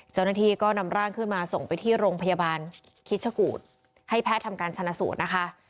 เจ้าหน้าที่ก็นำร่างขึ้นมาส่งไปที่โรงพยาบาลคิชกูธให้แพทย์ทำการชนะสูตรนะคะ